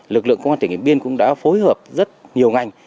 lực lượng công an tỉnh điện biên cũng đã phối hợp rất nhiều ngành